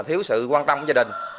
do thiếu sự quan tâm của gia đình